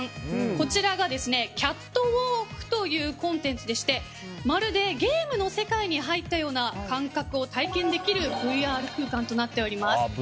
こちらがキャットウォークというコンテンツでしてまるでゲームの世界に入ったような感覚を体験できるＶＲ空間となっています。